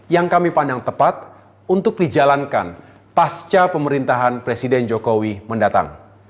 yang kami pandang tepat untuk dijalankan pasca pemerintahan presiden jokowi mendatang